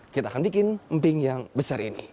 kita akan bikin emping yang besar ini